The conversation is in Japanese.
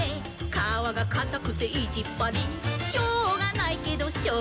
「かわがかたくていじっぱり」「しょうがないけどショウガある」